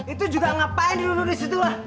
itu juga ngapain dulu dulu di situ pak